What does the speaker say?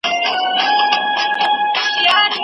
محتسب ډېوې وژلي د رڼا غلیم راغلی